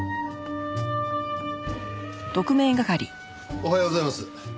おはようございます。